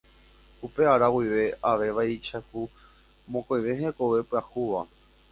Upe ára guive ave vaicháku mokõive hekove pyahúva.